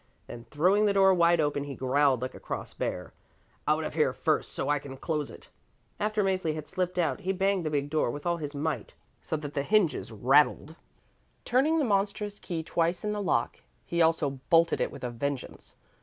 Then throwing the door wide open he growled like a cross bear: "Out of here first, so I can close it." After Mäzli had slipped out he banged the big door with all his might so that the hinges rattled. Turning the monstrous key twice in the lock, he also bolted it with a vengeance.